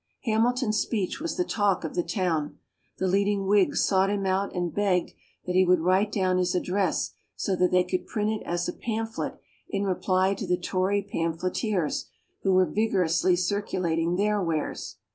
Hamilton's speech was the talk of the town. The leading Whigs sought him out and begged that he would write down his address so that they could print it as a pamphlet in reply to the Tory pamphleteers who were vigorously circulating their wares.